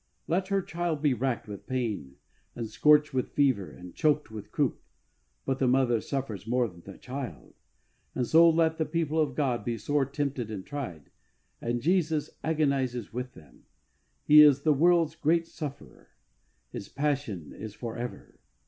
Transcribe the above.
Let her child be racked with pain and scorched with fever and choked with croup, but the mother suffers more than the child; and so let the people of God be sore tempted and tried, and Jesus agonises with them. He is the world^s great Sufferer. His passion is for ever.